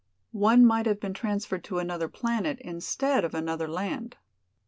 One might have been transferred to another planet instead of another land.